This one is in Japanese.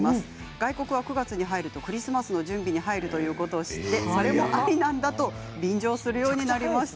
外国は９月に入るとクリスマスの準備に入るということを知ってそれもありなんだと便乗するようになりました。